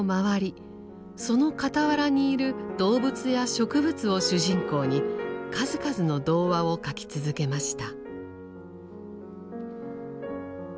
その傍らにいる動物や植物を主人公に数々の童話を書き続けました。